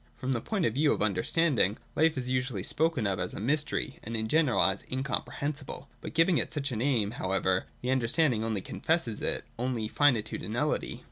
From the point of view of under standing, life is usually spoken of as a mj'stery, and in general as incomprehensible. By giving it such a name, however, the Understanding only confesses its own finitude and nullity.